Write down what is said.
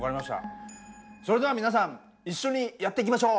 それでは皆さん一緒にやっていきましょう！